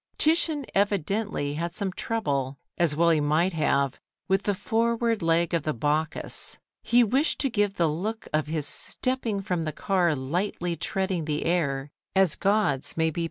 Titian evidently had some trouble, as well he might have, with the forward leg of the Bacchus. He wished to give the look of his stepping from the car lightly treading the air, as gods may be permitted to do.